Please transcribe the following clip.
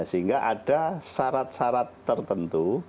sehingga ada syarat syarat tertentu